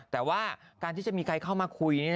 แต่ว่าการที่จะมีใครเข้ามาคุย